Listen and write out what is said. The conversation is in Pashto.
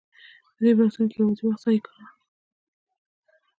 په دې بحثونو کې یوازې وخت ضایع کوو.